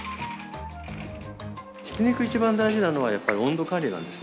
ひき肉一番大事なのはやっぱり温度管理なんですね。